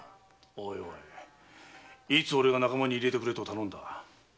おいおいいつ俺が仲間に入れてくれと頼んだ？